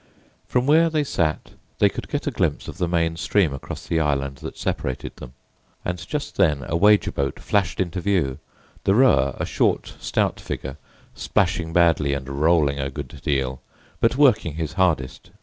From where they sat they could get a glimpse of the main stream across the island that separated them; and just then a wager boat flashed into view, the rower—a short, stout figure—splashing badly and rolling a good deal, but working his hardest.